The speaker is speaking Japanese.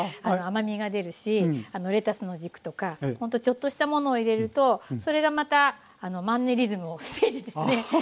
甘みが出るしレタスの軸とかほんとちょっとしたものを入れるとそれがまたマンネリズムを防いでですね